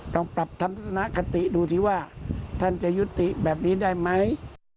ต้องปรับทัศนคติดูสิว่าท่านจะยุติแบบนี้ได้ไหม